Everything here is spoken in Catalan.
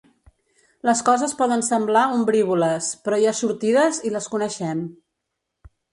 Les coses poden semblar ombrívoles, però hi ha sortides i les coneixem.